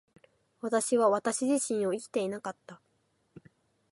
私は私自身を生きていなかった。